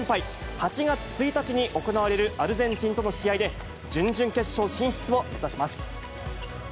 ８月１日に行われるアルゼンチンとの試合で、準々決勝進出を目指します。